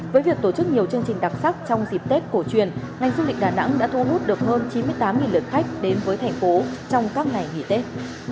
với việc tổ chức nhiều chương trình đặc sắc trong dịp tết cổ truyền ngành du lịch đà nẵng đã thu hút được hơn chín mươi tám lượt khách đến với thành phố trong các ngày nghỉ tết